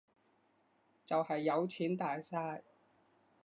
就係有錢大晒